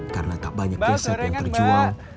karena tak banyak keset yang terjual